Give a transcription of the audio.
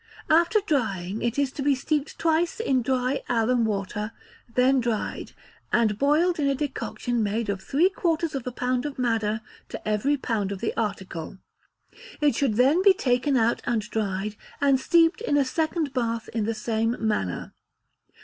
After drying it is to be steeped twice in dry alum water, then dried, and boiled in a decoction made of three quarters of a pound of madder to every pound of the article. It should then be taken out and dried, and steeped in a second bath in the same manner.